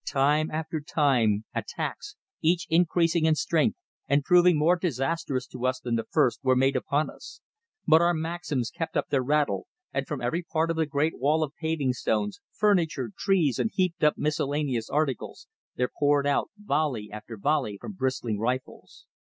Time after time attacks, each increasing in strength and proving more disastrous to us than the first, were made upon us. But our Maxims kept up their rattle, and from every part of the great wall of paving stones, furniture, trees and heaped up miscellaneous articles, there poured out volley after volley from bristling rifles.